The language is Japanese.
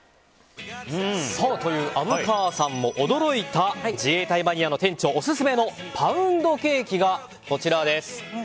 虻川さんも驚いた自衛隊マニアの店長オススメのパウンドケーキがこちらです。